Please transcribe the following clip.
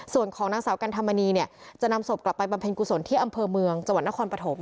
ส่วนของนางสาวกัณฑมณีจะนำศพกลับไปบำเพ็ญกุศลที่อำเภอเมืองจนครปฐม